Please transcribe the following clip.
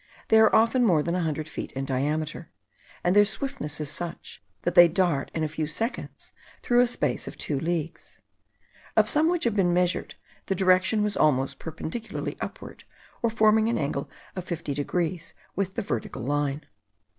They are often more than a hundred feet in diameter: and their swiftness is such, that they dart in a few seconds through a space of two leagues. Of some which have been measured, the direction was almost perpendicularly upward, or forming an angle of 50 degrees with the vertical line.